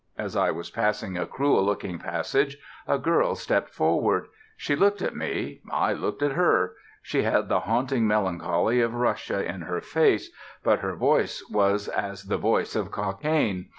As I was passing a cruel looking passage, a girl stepped forward. She looked at me. I looked at her. She had the haunting melancholy of Russia in her face, but her voice was as the voice of Cockaigne.